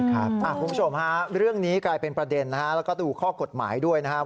คุณผู้ชมฮะเรื่องนี้กลายเป็นประเด็นนะฮะแล้วก็ดูข้อกฎหมายด้วยนะครับ